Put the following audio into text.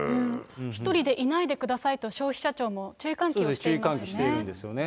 １人でいないでくださいと、消費者庁も注意喚起をしていますそうですね、注意喚起してるんですよね。